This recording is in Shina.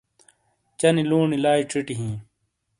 چَہ نی لُونی لائی چِٹی ہِیں۔